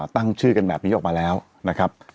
ตั้งชื่อกันแบบนี้ออกมาแล้วนะครับ